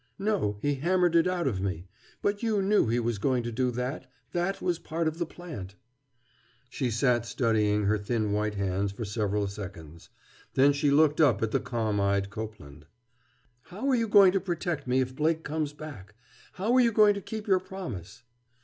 "No, he hammered it out of me. But you knew he was going to do that. That was part of the plant." She sat studying her thin white hands for several seconds. Then she looked up at the calm eyed Copeland. "How are you going to protect me, if Blake comes back? How are you going to keep your promise?"